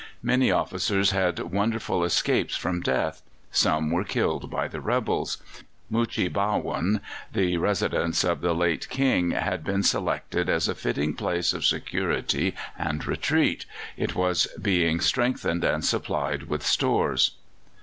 Many officers had wonderful escapes from death; some were killed by the rebels. Muchee Bhawun, the residence of the late King, had been selected as a fitting place of security and retreat: it was being strengthened and supplied with stores.